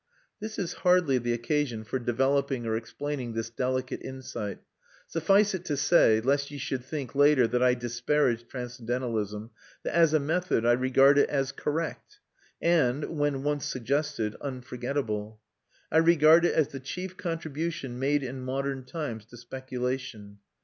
This is hardly the occasion for developing or explaining this delicate insight; suffice it to say, lest you should think later that I disparage transcendentalism, that as a method I regard it as correct and, when once suggested, unforgettable. I regard it as the chief contribution made in modern times to speculation.